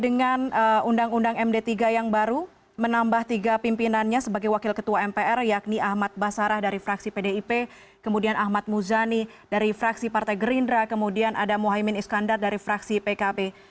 dengan undang undang md tiga yang baru menambah tiga pimpinannya sebagai wakil ketua mpr yakni ahmad basarah dari fraksi pdip kemudian ahmad muzani dari fraksi partai gerindra kemudian ada mohaimin iskandar dari fraksi pkb